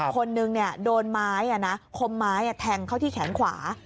คนนึงโดนไม้คมไม้แทงเข้าที่แขนขวา